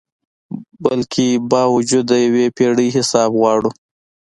بلکي باوجود د یو پیړۍ حساب غواړو